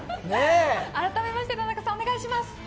あらためて田中さんお願いします。